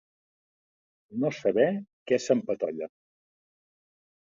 No saber què s'empatolla.